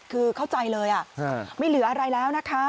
คือเข้าใจเลยไม่เหลืออะไรแล้วนะคะ